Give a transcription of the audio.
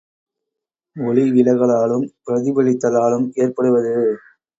ஒளி விலகலாலும் பிரதிபலித்தலாலும் ஏற்படுவது.